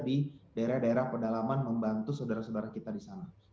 di daerah daerah pedalaman membantu saudara saudara kita di sana